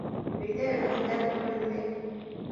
Өйҙә өлкәндәр күренмәй.